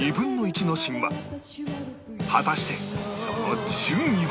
果たしてその順位は？